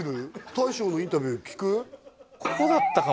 大将のインタビュー聞く？